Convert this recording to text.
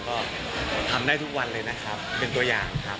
ก็ทำได้ทุกวันเลยนะครับเป็นตัวอย่างครับ